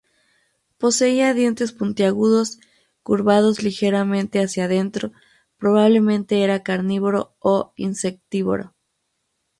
Poseía dientes puntiagudos curvados ligeramente hacia adentro; probablemente era carnívoro o insectívoro.